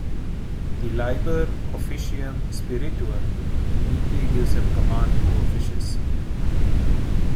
The "Liber Officium Spirituum" uniquely gives him command over fishes.